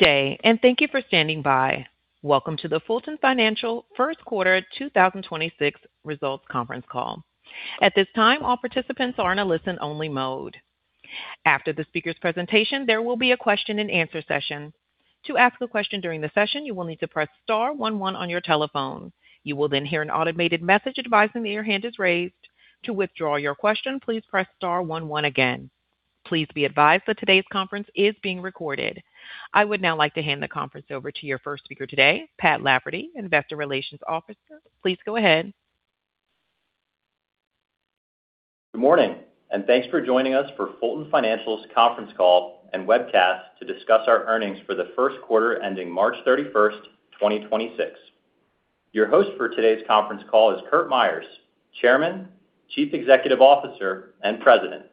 Good day and thank you for standing by. Welcome to the Fulton Financial first quarter 2026 results conference call. At this time, all participants are in a listen-only mode. After the speaker's presentation, there will be a question-and-answer session. To ask a question during the session, you will need to press star one one on your telephone. You will then hear an automated message advising that your hand is raised. To withdraw your question, please press star one one again. Please be advised that today's conference is being recorded. I would now like to hand the conference over to your first speaker today, Patrick Lafferty, Investor Relations Officer. Please go ahead. Good morning, and thanks for joining us for Fulton Financial's conference call and webcast to discuss our earnings for the first quarter ending March 31st, 2026. Your host for today's conference call is Curt Myers, Chairman, Chief Executive Officer, and President.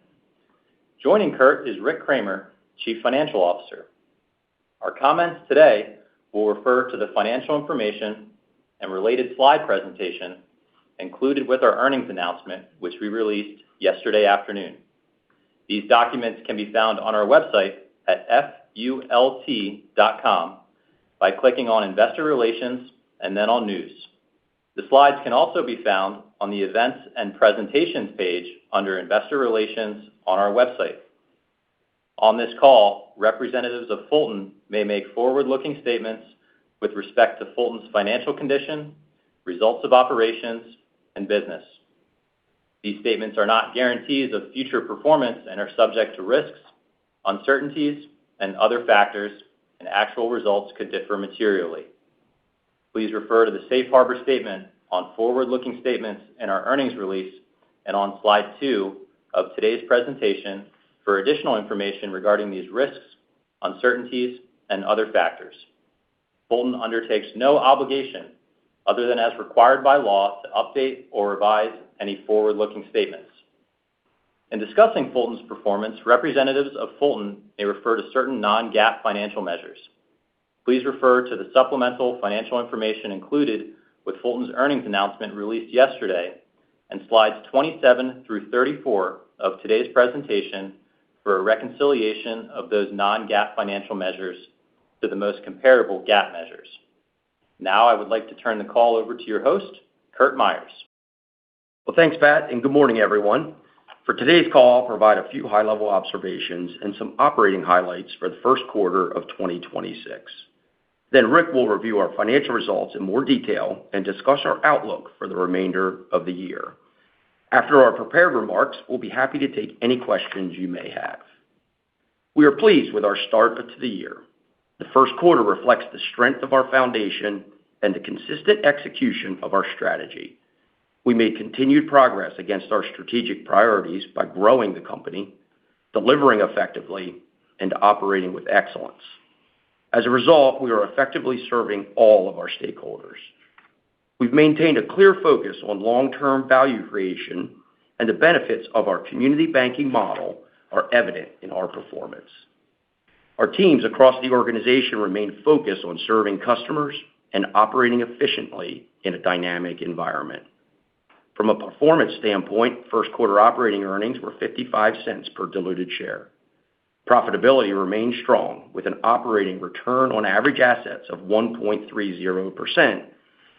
Joining Curt is Rick Kraemer, Chief Financial Officer. Our comments today will refer to the financial information and related slide presentation included with our earnings announcement, which we released yesterday afternoon. These documents can be found on our website at fultonbank.com by clicking on Investor Relations and then on News. The slides can also be found on the Events and Presentations page under Investor Relations on our website. On this call, representatives of Fulton may make forward-looking statements with respect to Fulton's financial condition, results of operations, and business. These statements are not guarantees of future performance and are subject to risks, uncertainties, and other factors, and actual results could differ materially. Please refer to the safe harbor statement on forward-looking statements in our earnings release and on Slide 2 of today's presentation for additional information regarding these risks, uncertainties, and other factors. Fulton undertakes no obligation other than as required by law to update or revise any forward-looking statements. In discussing Fulton's performance, representatives of Fulton may refer to certain non-GAAP financial measures. Please refer to the supplemental financial information included with Fulton's earnings announcement released yesterday and Slides 27 through 34 of today's presentation for a reconciliation of those non-GAAP financial measures to the most comparable GAAP measures. Now I would like to turn the call over to your host, Curt Myers. Well, thanks, Pat, and good morning, everyone. For today's call, I'll provide a few high-level observations and some operating highlights for the first quarter of 2026. Then Rick will review our financial results in more detail and discuss our outlook for the remainder of the year. After our prepared remarks, we'll be happy to take any questions you may have. We are pleased with our start to the year. The first quarter reflects the strength of our foundation and the consistent execution of our strategy. We made continued progress against our strategic priorities by growing the company, delivering effectively, and operating with excellence. As a result, we are effectively serving all of our stakeholders. We've maintained a clear focus on long-term value creation, and the benefits of our community banking model are evident in our performance. Our teams across the organization remain focused on serving customers and operating efficiently in a dynamic environment. From a performance standpoint, first quarter operating earnings were $0.55 per diluted share. Profitability remained strong with an operating return on average assets of 1.30%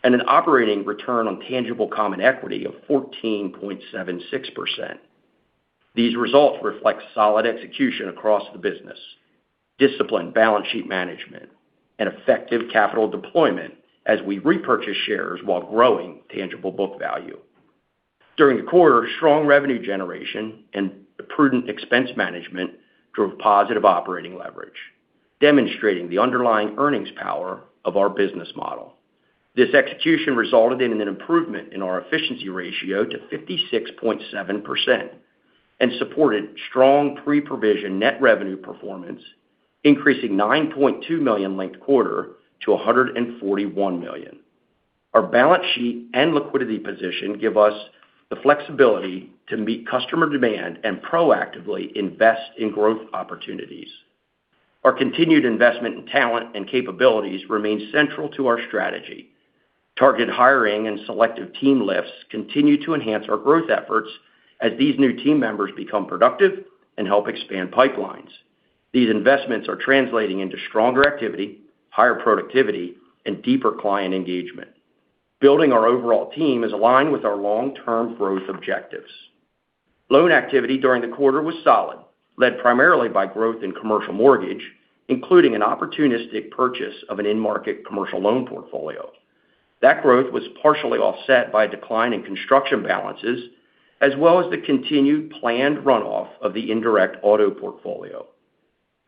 and an operating return on tangible common equity of 14.76%. These results reflect solid execution across the business, disciplined balance sheet management, and effective capital deployment as we repurchase shares while growing tangible book value. During the quarter, strong revenue generation and prudent expense management drove positive operating leverage, demonstrating the underlying earnings power of our business model. This execution resulted in an improvement in our efficiency ratio to 56.7% and supported strong pre-provision net revenue performance, increasing $9.2 million linked quarter to $141 million. Our balance sheet and liquidity position give us the flexibility to meet customer demand and proactively invest in growth opportunities. Our continued investment in talent and capabilities remains central to our strategy. Targeted hiring and selective team lifts continue to enhance our growth efforts as these new team members become productive and help expand pipelines. These investments are translating into stronger activity, higher productivity, and deeper client engagement. Building our overall team is aligned with our long-term growth objectives. Loan activity during the quarter was solid, led primarily by growth in commercial mortgage, including an opportunistic purchase of an in-market commercial loan portfolio. That growth was partially offset by a decline in construction balances, as well as the continued planned runoff of the indirect auto portfolio.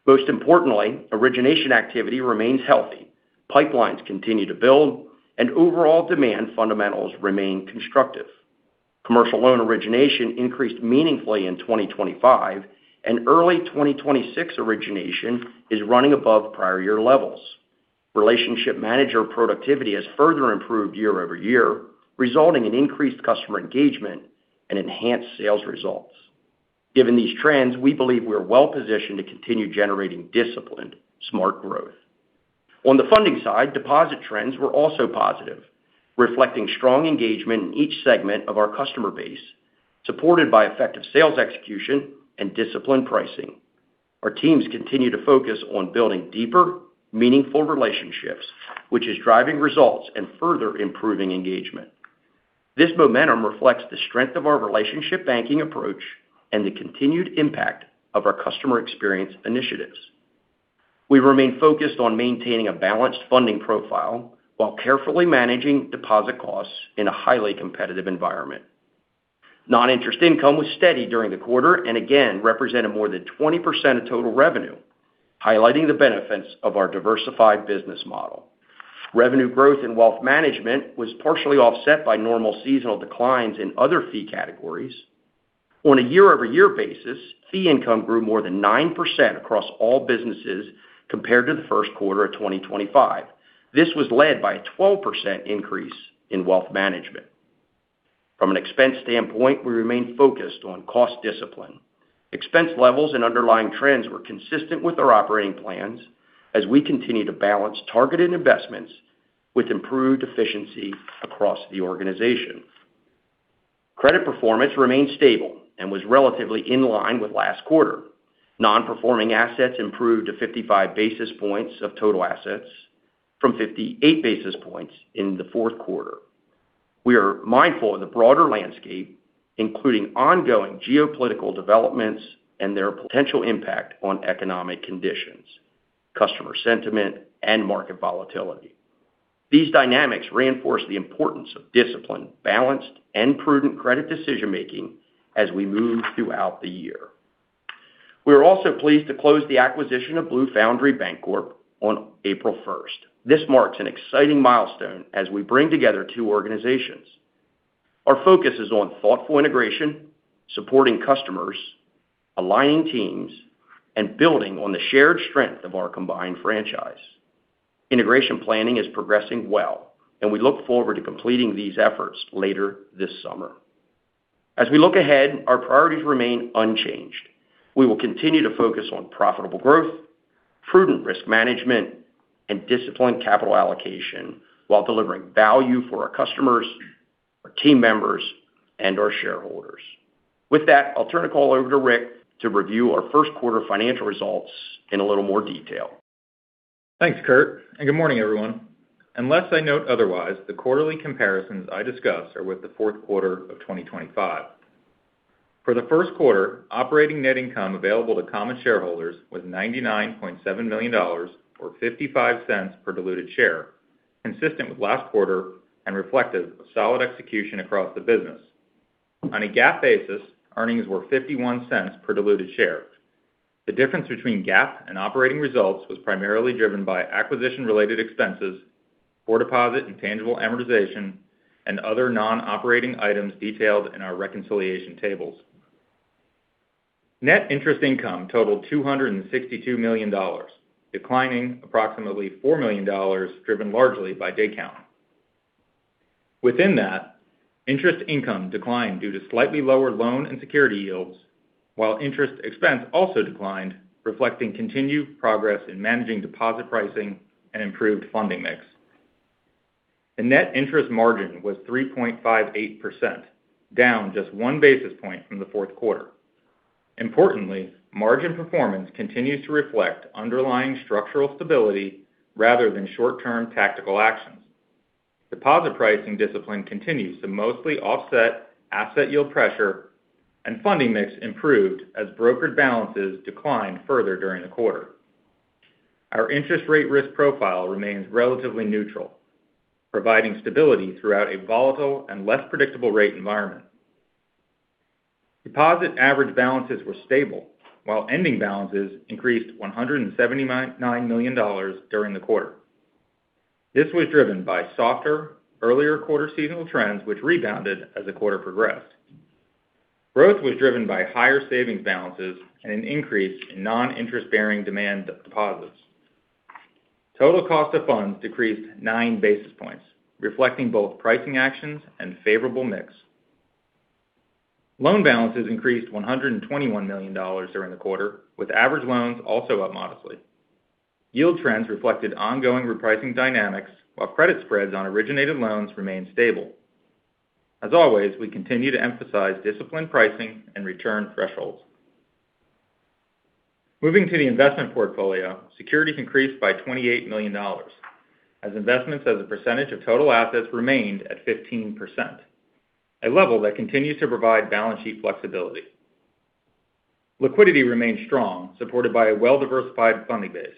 Most importantly, origination activity remains healthy. Pipelines continue to build and overall demand fundamentals remain constructive. Commercial loan origination increased meaningfully in 2025, and early 2026 origination is running above prior year levels. Relationship manager productivity has further improved year-over-year, resulting in increased customer engagement and enhanced sales results. Given these trends, we believe we are well positioned to continue generating disciplined, smart growth. On the funding side, deposit trends were also positive, reflecting strong engagement in each segment of our customer base, supported by effective sales execution and disciplined pricing. Our teams continue to focus on building deeper, meaningful relationships, which is driving results and further improving engagement. This momentum reflects the strength of our relationship banking approach and the continued impact of our customer experience initiatives. We remain focused on maintaining a balanced funding profile while carefully managing deposit costs in a highly competitive environment. Non-interest income was steady during the quarter and again represented more than 20% of total revenue, highlighting the benefits of our diversified business model. Revenue growth in wealth management was partially offset by normal seasonal declines in other fee categories. On a year-over-year basis, fee income grew more than 9% across all businesses compared to the first quarter of 2025. This was led by a 12% increase in wealth management. From an expense standpoint, we remain focused on cost discipline. Expense levels and underlying trends were consistent with our operating plans as we continue to balance targeted investments with improved efficiency across the organization. Credit performance remained stable and was relatively in line with last quarter. Non-performing assets improved to 55 basis points of total assets from 58 basis points in the fourth quarter. We are mindful of the broader landscape, including ongoing geopolitical developments and their potential impact on economic conditions, customer sentiment, and market volatility. These dynamics reinforce the importance of disciplined, balanced, and prudent credit decision-making as we move throughout the year. We are also pleased to close the acquisition of Blue Foundry Bancorp on 1 April. This marks an exciting milestone as we bring together two organizations. Our focus is on thoughtful integration, supporting customers, aligning teams, and building on the shared strength of our combined franchise. Integration planning is progressing well, and we look forward to completing these efforts later this summer. As we look ahead, our priorities remain unchanged. We will continue to focus on profitable growth, prudent risk management, and disciplined capital allocation while delivering value for our customers, our team members, and our shareholders. With that, I'll turn the call over to Rick to review our first quarter financial results in a little more detail. Thanks, Curt, and good morning, everyone. Unless I note otherwise, the quarterly comparisons I discuss are with the fourth quarter of 2025. For the first quarter, operating net income available to common shareholders was $99.7 million, or $0.55 per diluted share, consistent with last quarter and reflective of solid execution across the business. On a GAAP basis, earnings were $0.51 per diluted share. The difference between GAAP and operating results was primarily driven by acquisition-related expenses for deposit and tangible amortization and other non-operating items detailed in our reconciliation tables. Net interest income totaled $262 million, declining approximately $4 million, driven largely by day count. Within that, interest income declined due to slightly lower loan and security yields, while interest expense also declined, reflecting continued progress in managing deposit pricing and improved funding mix. The net interest margin was 3.58%, down just one basis point from the fourth quarter. Importantly, margin performance continues to reflect underlying structural stability rather than short-term tactical actions. Deposit pricing discipline continues to mostly offset asset yield pressure, and funding mix improved as brokered balances declined further during the quarter. Our interest rate risk profile remains relatively neutral, providing stability throughout a volatile and less predictable rate environment. Deposit average balances were stable while ending balances increased $179 million during the quarter. This was driven by softer earlier quarter seasonal trends, which rebounded as the quarter progressed. Growth was driven by higher savings balances and an increase in non-interest-bearing demand deposits. Total cost of funds decreased nine basis points, reflecting both pricing actions and favorable mix. Loan balances increased $121 million during the quarter, with average loans also up modestly. Yield trends reflected ongoing repricing dynamics while credit spreads on originated loans remained stable. As always, we continue to emphasize disciplined pricing and return thresholds. Moving to the investment portfolio, securities increased by $28 million as investments as a percentage of total assets remained at 15%, a level that continues to provide balance sheet flexibility. Liquidity remained strong, supported by a well-diversified funding base.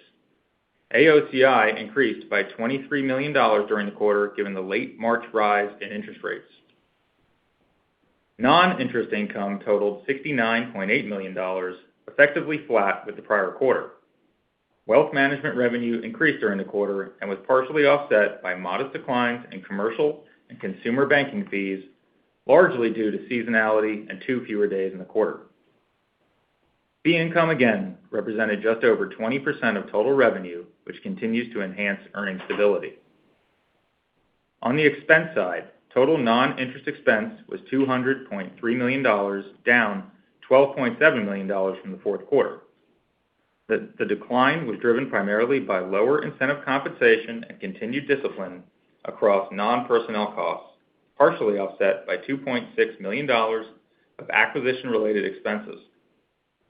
AOCI increased by $23 million during the quarter given the late March rise in interest rates. Non-interest income totaled $69.8 million, effectively flat with the prior quarter. Wealth management revenue increased during the quarter and was partially offset by modest declines in commercial and consumer banking fees, largely due to seasonality and two fewer days in the quarter. Fee income again represented just over 20% of total revenue, which continues to enhance earning stability. On the expense side, total non-interest expense was $200.3 million, down $12.7 million from the fourth quarter. The decline was driven primarily by lower incentive compensation and continued discipline across non-personnel costs, partially offset by $2.6 million of acquisition-related expenses.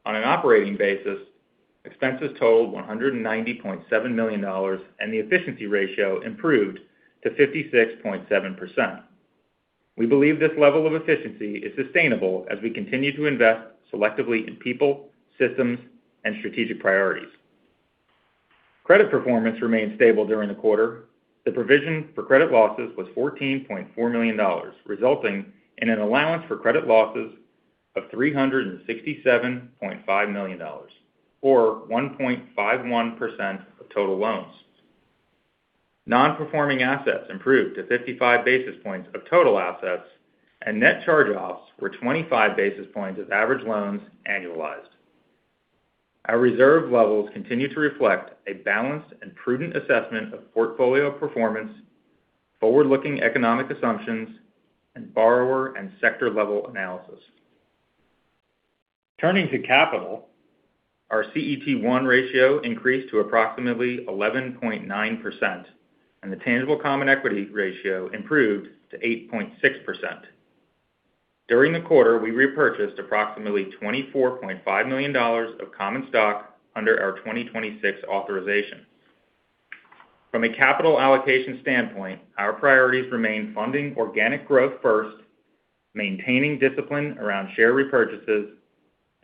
On an operating basis, expenses totaled $190.7 million, and the efficiency ratio improved to 56.7%. We believe this level of efficiency is sustainable as we continue to invest selectively in people, systems, and strategic priorities. Credit performance remained stable during the quarter. The provision for credit losses was $14.4 million, resulting in an allowance for credit losses of $367.5 million, or 1.51% of total loans. Non-performing assets improved to 55 basis points of total assets, and net charge-offs were 25 basis points of average loans annualized. Our reserve levels continue to reflect a balanced and prudent assessment of portfolio performance, forward-looking economic assumptions, and borrower and sector-level analysis. Turning to capital, our CET1 ratio increased to approximately 11.9%, and the tangible common equity ratio improved to 8.6%. During the quarter, we repurchased approximately $24.5 million of common stock under our 2026 authorization. From a capital allocation standpoint, our priorities remain funding organic growth first, maintaining discipline around share repurchases,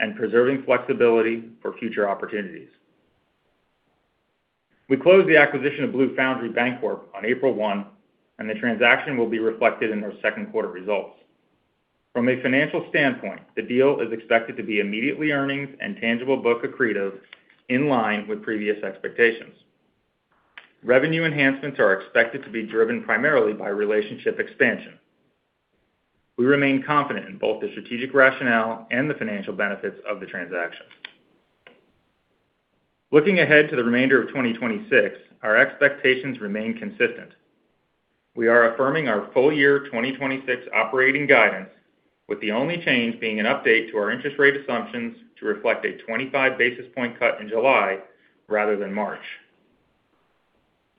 and preserving flexibility for future opportunities. We closed the acquisition of Blue Foundry Bancorp on 1 April, and the transaction will be reflected in our second quarter results. From a financial standpoint, the deal is expected to be immediately earnings and tangible book accretive in line with previous expectations. Revenue enhancements are expected to be driven primarily by relationship expansion. We remain confident in both the strategic rationale and the financial benefits of the transaction. Looking ahead to the remainder of 2026, our expectations remain consistent. We are affirming our full year 2026 operating guidance, with the only change being an update to our interest rate assumptions to reflect a 25 basis point cut in July rather than March.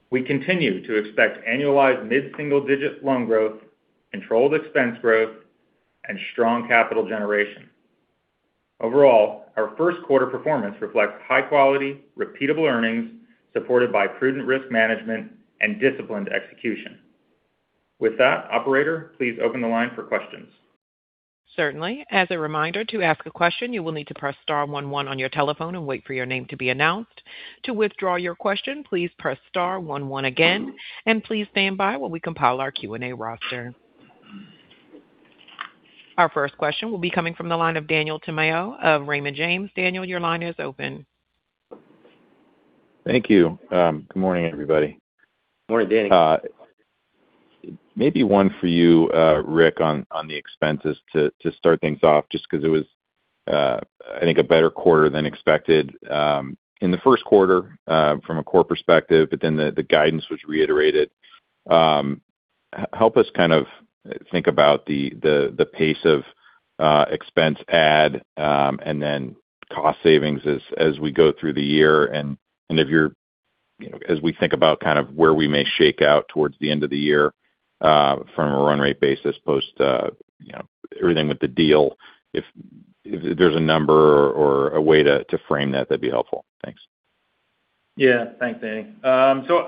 We continue to expect annualized mid-single-digit loan growth, controlled expense growth, and strong capital generation. Overall, our first quarter performance reflects high-quality, repeatable earnings, supported by prudent risk management and disciplined execution. With that, operator, please open the line for questions. Certainly. As a reminder, to ask a question, you will need to press star one one on your telephone and wait for your name to be announced. To withdraw your question, please press star one one again, and please stand by while we compile our Q&A roster. Our first question will be coming from the line of Daniel Tamayo of Raymond James. Daniel, your line is open. Thank you. Good morning, everybody. Morning, Danny. Maybe one for you, Rick, on the expenses to start things off just because it was, I think, a better quarter than expected in the first quarter from a core perspective, but then the guidance was reiterated. Help us think about the pace of expense add and then cost savings as we go through the year. As we think about where we may shake out towards the end of the year from a run rate basis post everything with the deal, if there's a number or a way to frame that'd be helpful. Thanks. Yeah. Thanks, Danny.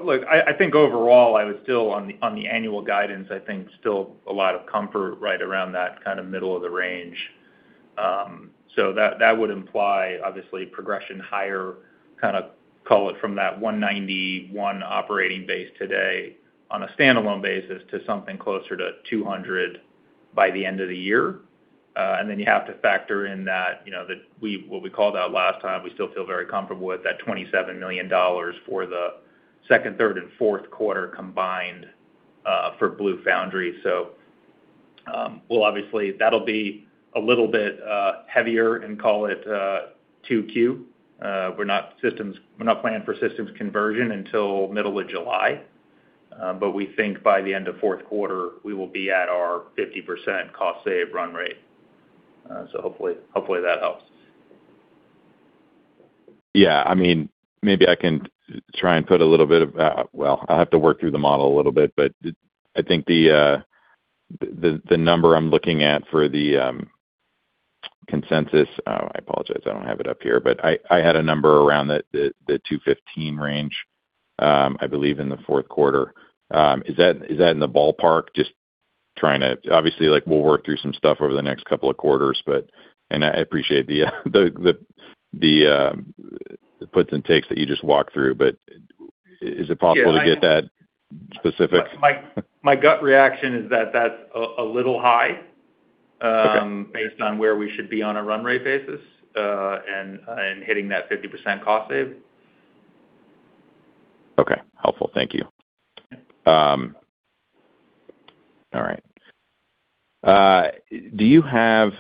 Look, I think overall, I was still on the annual guidance. I think still a lot of comfort right around that middle of the range. That would imply, obviously, progression higher, call it from that 191 operating base today on a standalone basis to something closer to 200 by the end of the year. Then you have to factor in that what we called out last time, we still feel very comfortable with that $27 million for the second, third, and fourth quarter combined for Blue Foundry. Well, obviously, that'll be a little bit heavier in, call it, 2Q. We're not planning for systems conversion until middle of July. We think by the end of fourth quarter, we will be at our 50% cost save run rate. Hopefully that helps. Yeah. Maybe I can try and put a little bit of that well, I'll have to work through the model a little bit, but I think the number I'm looking at for the consensus, oh, I apologize, I don't have it up here, but I had a number around the 215 range, I believe, in the fourth quarter. Is that in the ballpark? Obviously, we'll work through some stuff over the next couple of quarters. I appreciate the puts and takes that you just walked through, but is it possible to get that specific? My gut reaction is that that's a little high. Okay Based on where we should be on a run rate basis, and hitting that 50% cost save. Okay. Helpful. Thank you. All right. Do you have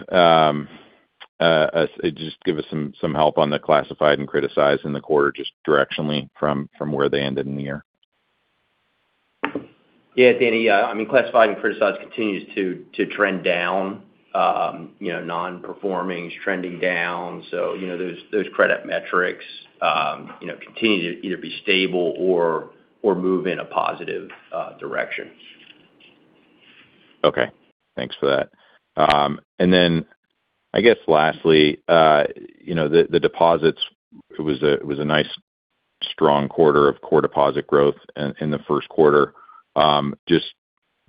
just give us some help on the classified and criticized in the quarter, just directionally from where they ended in the year. Yeah, Danny. Classified and criticized continues to trend down. Non-performing is trending down. Those credit metrics continue to either be stable or move in a positive direction. Okay. Thanks for that. I guess lastly, the deposits, it was a nice strong quarter of core deposit growth in the first quarter. Just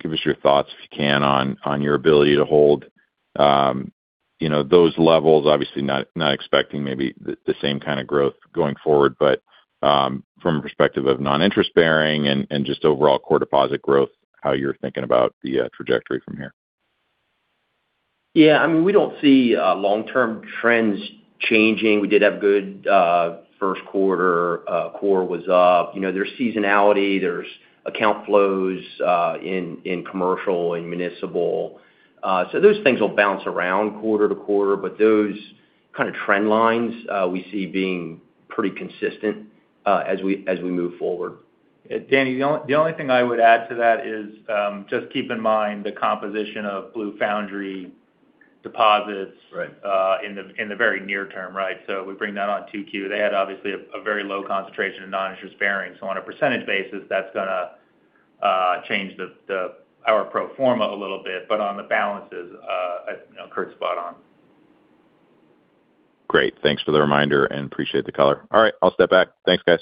give us your thoughts, if you can, on your ability to hold those levels. Obviously not expecting maybe the same kind of growth going forward. From a perspective of non-interest bearing and just overall core deposit growth, how you're thinking about the trajectory from here. Yeah. We don't see long-term trends changing. We did have good first quarter. Core was up. There's seasonality, there's account flows in commercial and municipal. Those things will bounce around quarter to quarter, but those kind of trend lines we see being pretty consistent as we move forward. Danny, the only thing I would add to that is just keep in mind the composition of Blue Foundry deposits. Right in the very near term, right? We bring that on 2Q. They had obviously a very low concentration of non-interest-bearing. On a percentage basis, that's going to change our pro forma a little bit. On the balances, Curt's spot on. Great. Thanks for the reminder and appreciate the color. All right, I'll step back. Thanks, guys.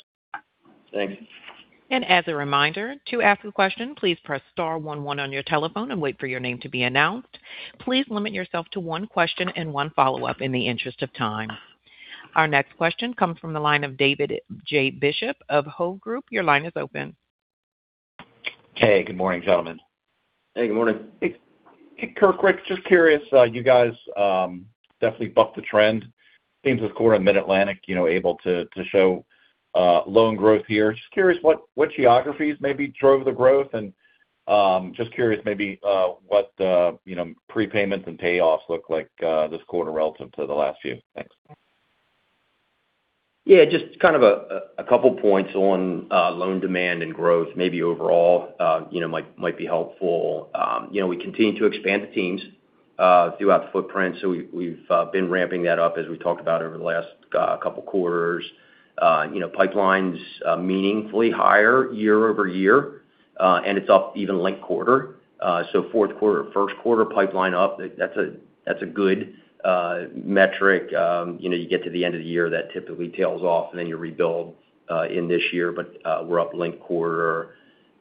Thanks. As a reminder, to ask a question, please press star one one on your telephone and wait for your name to be announced. Please limit yourself to one question and one follow-up in the interest of time. Our next question comes from the line of David J. Bishop of Hovde Group. Your line is open. Hey, good morning, gentlemen. Hey, good morning. Hey, Curt, Rick. Just curious, you guys definitely bucked the trend in this quarter, Mid-Atlantic, able to show loan growth here. Just curious what geographies maybe drove the growth and just curious maybe what the prepayments and payoffs look like this quarter relative to the last few. Thanks. Yeah, just kind of a couple points on loan demand and growth maybe overall might be helpful. We continue to expand the teams throughout the footprint. We've been ramping that up as we talked about over the last couple quarters. Pipelines meaningfully higher year-over-year. It's up even linked quarter. Fourth quarter, first quarter pipeline up, that's a good metric. You get to the end of the year, that typically tails off, and then you rebuild in this year. We're up linked quarter.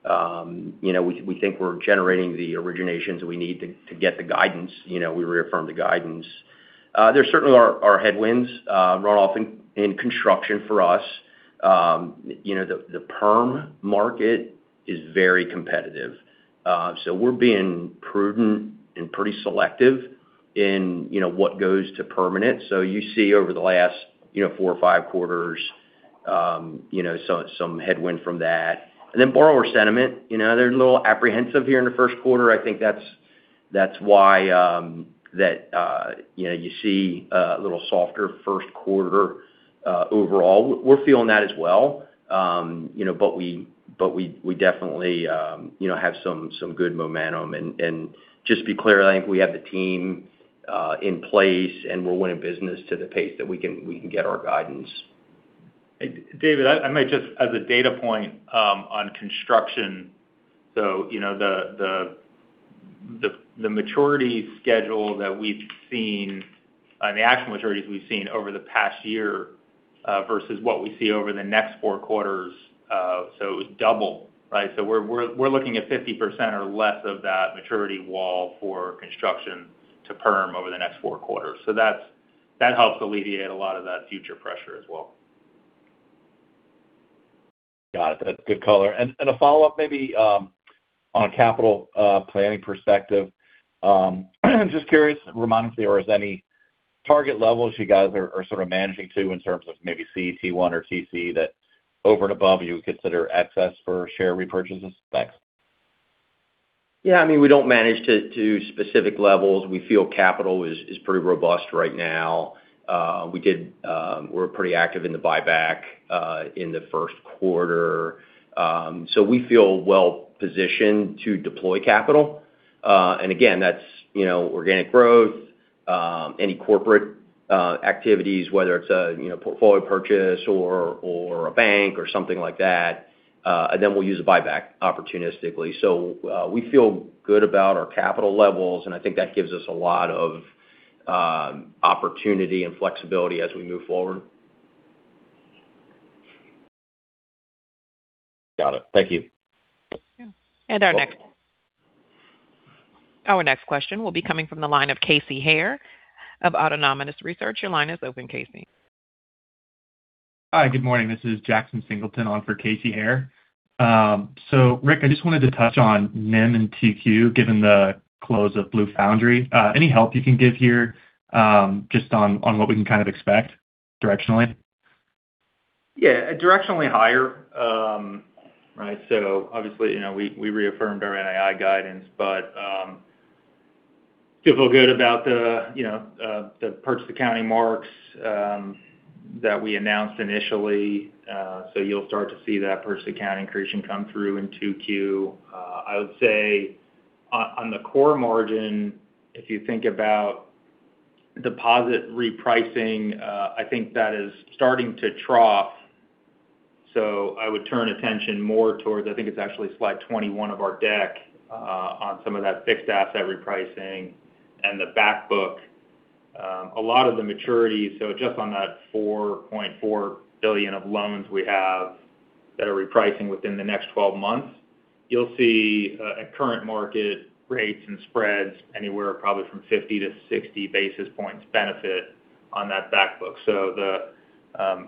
We think we're generating the originations we need to get the guidance. We reaffirm the guidance. There certainly are headwinds. Runoff in construction for us. The perm market is very competitive. We're being prudent and pretty selective in what goes to permanent. You see over the last four or five quarters some headwind from that. Borrower sentiment, they're a little apprehensive here in the first quarter. I think that's why you see a little softer first quarter overall. We're feeling that as well, but we definitely have some good momentum. Just to be clear, I think we have the team in place, and we're winning business to the pace that we can get our guidance. David, as a data point on construction, the maturity schedule that we've seen and the actual maturities we've seen over the past year versus what we see over the next four quarters, so double, right? We're looking at 50% or less of that maturity wall for construction to perm over the next four quarters. That helps alleviate a lot of that future pressure as well. Got it. That's good color. A follow-up maybe on a capital planning perspective. Just curious, remind us if there is any target levels you guys are sort of managing to in terms of maybe CET1 or TCE over and above you would consider excess for share repurchases specs? Yeah. We don't manage to specific levels. We feel capital is pretty robust right now. We're pretty active in the buyback in the first quarter. We feel well-positioned to deploy capital. Again, that's organic growth, any corporate activities, whether it's a portfolio purchase or a bank or something like that. Then we'll use buyback opportunistically. We feel good about our capital levels, and I think that gives us a lot of opportunity and flexibility as we move forward. Got it. Thank you. Our next question will be coming from the line of Casey Herr of Autonomous Research. Your line is open, Casey. Hi, good morning. This is Jackson Singleton on for Casey Herr. Rick, I just wanted to touch on NIM and TCE, given the close of Blue Foundry. Any help you can give here, just on what we can kind of expect directionally? Yeah, directionally higher. Obviously, we reaffirmed our NII guidance, but feel good about the purchase accounting marks that we announced initially. You'll start to see that purchase accounting accretion come through in 2Q. I would say on the core margin, if you think about deposit repricing, I think that is starting to trough. I would turn attention more towards, I think it's actually Slide 21 of our deck, on some of that fixed asset repricing and the back book. A lot of the maturity, so just on that $4.4 billion of loans we have that are repricing within the next 12 months, you'll see at current market rates and spreads anywhere probably from 50-60 basis points benefit on that back book.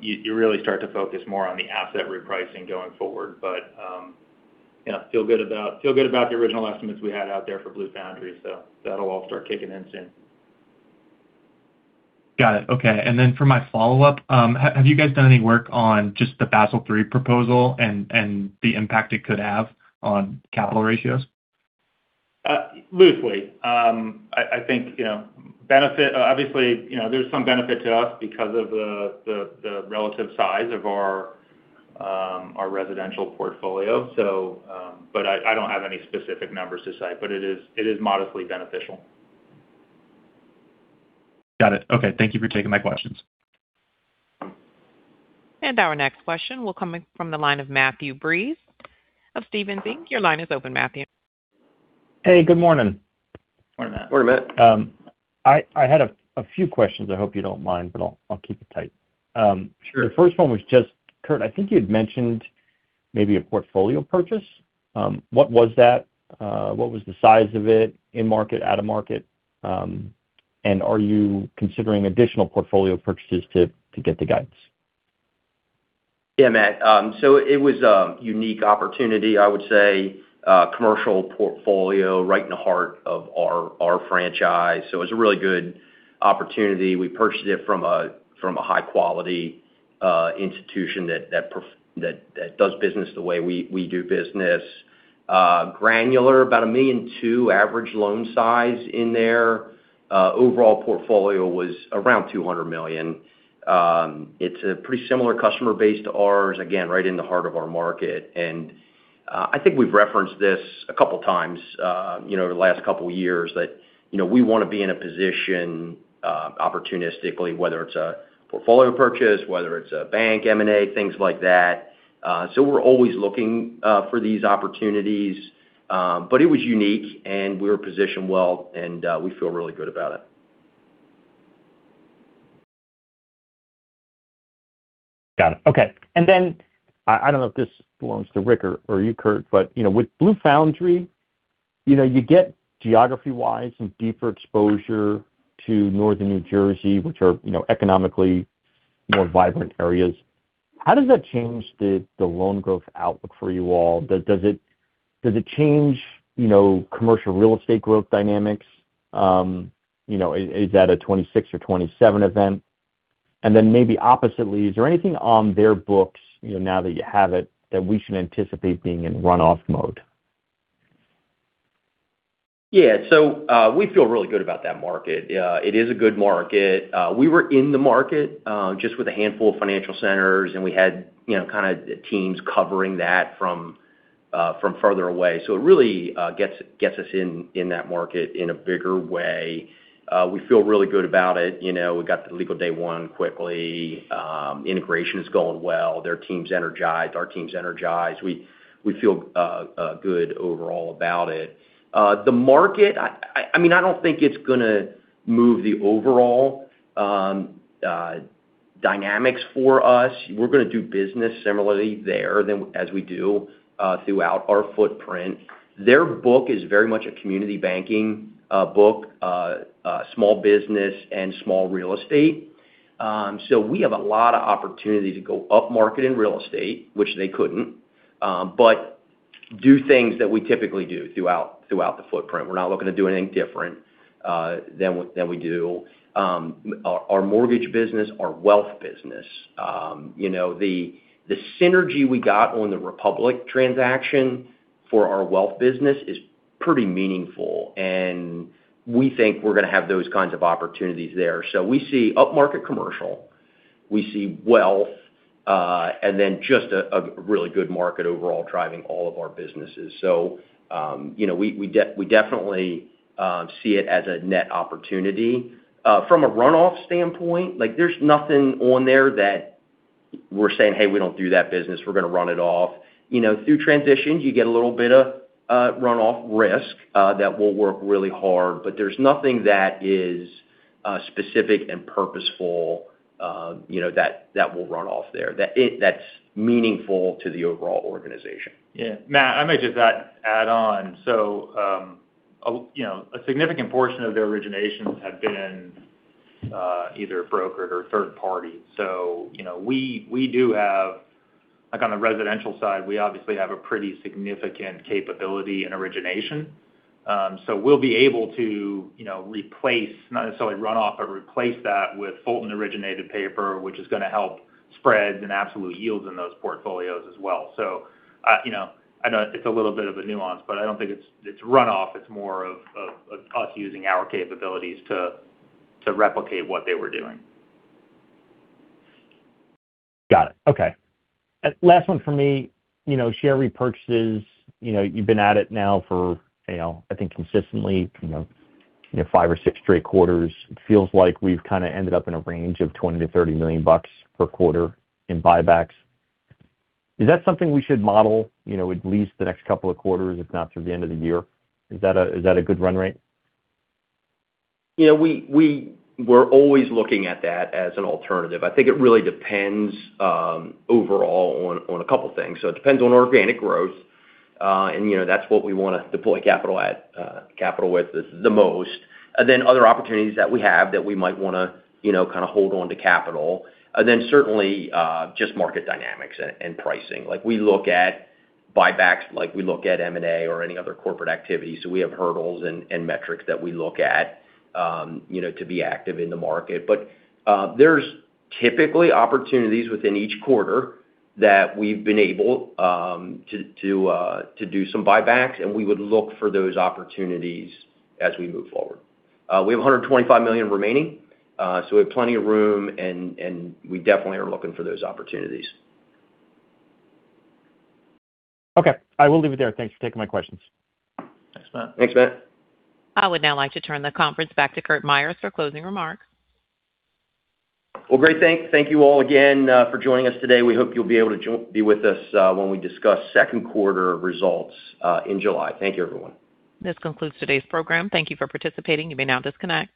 You really start to focus more on the asset repricing going forward. Feel good about the original estimates we had out there for Blue Foundry. That'll all start kicking in soon. Got it. Okay. For my follow-up, have you guys done any work on just the Basel III proposal and the impact it could have on capital ratios? Loosely. I think, obviously, there's some benefit to us because of the relative size of our residential portfolio. I don't have any specific numbers to cite, but it is modestly beneficial. Got it. Okay. Thank you for taking my questions. Our next question will come in from the line of Matthew Breese of Stephens Inc. Your line is open, Matthew. Hey, good morning. Morning, Matt. Morning, Matt. I had a few questions. I hope you don't mind, but I'll keep it tight. Sure. The first one was just, Curt, I think you had mentioned maybe a portfolio purchase. What was that? What was the size of it? In market, out of market? And are you considering additional portfolio purchases to get the guidance? Yeah, Matt. It was a unique opportunity, I would say, commercial portfolio right in the heart of our franchise. It was a really good opportunity. We purchased it from a high-quality institution that does business the way we do business, granular, about $1.2 million average loan size in there. Overall portfolio was around $200 million. It's a pretty similar customer base to ours, again, right in the heart of our market. I think we've referenced this a couple of times, the last couple of years that we want to be in a position opportunistically, whether it's a portfolio purchase, whether it's a bank, M&A, things like that. We're always looking for these opportunities. It was unique, and we're positioned well, and we feel really good about it. Got it. Okay. I don't know if this belongs to Rick or you, Curt, but with Blue Foundry, you get geography-wise, some deeper exposure to Northern New Jersey, which are economically more vibrant areas. How does that change the loan growth outlook for you all? Does it change commercial real estate growth dynamics? Is that a 2026 or 2027 event? Then maybe oppositely, is there anything on their books, now that you have it, that we should anticipate being in runoff mode? Yeah. We feel really good about that market. It is a good market. We were in the market, just with a handful of financial centers, and we had kind of teams covering that from further away. It really gets us in that market in a bigger way. We feel really good about it. We got to legal day one quickly. Integration is going well. Their team's energized. Our team's energized. We feel good overall about it. The market, I don't think it's going to move the overall dynamics for us. We're going to do business similarly there as we do throughout our footprint. Their book is very much a community banking book, small business, and small real estate. We have a lot of opportunity to go up market in real estate, which they couldn't. Do things that we typically do throughout the footprint. We're not looking to do anything different than we do. Our mortgage business, our wealth business. The synergy we got on the Republic transaction for our wealth business is pretty meaningful, and we think we're going to have those kinds of opportunities there. We see upmarket commercial, we see wealth, and then just a really good market overall driving all of our businesses. We definitely see it as a net opportunity. From a runoff standpoint, there's nothing on there that we're saying, "Hey, we don't do that business. We're going to run it off." Through transitions, you get a little bit of runoff risk that we'll work really hard, but there's nothing that is specific and purposeful that we'll run off there, that's meaningful to the overall organization. Yeah. Matt, I might just add on. A significant portion of their originations have been either brokered or third party. We do have Like on the residential side, we obviously have a pretty significant capability in origination. We'll be able to replace, not necessarily run off, but replace that with Fulton-originated paper, which is going to help spreads and absolute yields in those portfolios as well. I know it's a little bit of a nuance, but I don't think it's runoff. It's more of us using our capabilities to replicate what they were doing. Got it. Okay. Last one for me. Share repurchases. You've been at it now for, I think consistently, five or six straight quarters. It feels like we've kind of ended up in a range of $20 million-$30 million per quarter in buybacks. Is that something we should model, at least the next couple of quarters, if not through the end of the year? Is that a good run rate? We're always looking at that as an alternative. I think it really depends, overall, on a couple things. It depends on organic growth, that's what we want to deploy capital with the most, other opportunities that we have that we might want to kind of hold onto capital, certainly just market dynamics and pricing. We look at buybacks like we look at M&A or any other corporate activity. We have hurdles and metrics that we look at to be active in the market. There's typically opportunities within each quarter that we've been able to do some buybacks, and we would look for those opportunities as we move forward. We have $125 million remaining. We have plenty of room, and we definitely are looking for those opportunities. Okay. I will leave it there. Thanks for taking my questions. Thanks, Matt. I would now like to turn the conference back to Curt Myers for closing remarks. Well, great. Thank you all again for joining us today. We hope you'll be able to be with us when we discuss second quarter results in July. Thank you, everyone. This concludes today's program. Thank you for participating. You may now disconnect.